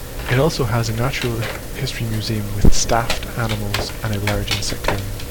It also has a natural history museum with staffed animals and a large insectarium.